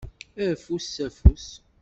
Afus s afus.